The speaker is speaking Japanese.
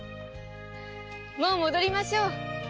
もう戻りましょう。